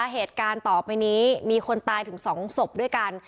เหตุการณ์ต่อไปนี้มีคนตายถึง๒ศพด้วยกัน